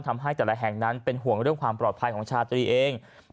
ทำให้แต่ละแห่งนั้นเป็นห่วงเรื่องความปลอดภัยของชาตรีเอง